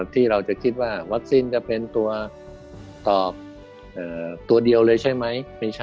ที่เราจะคิดว่าวัคซีนจะเป็นตัวตอบตัวเดียวเลยใช่ไหม